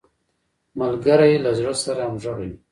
ملګری له زړه سره همږغی وي